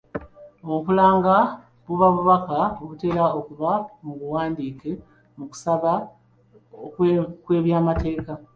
Okulanga buba bubaka obutera okuba mu buwandiike mu kusaba kw'ebyamateeka.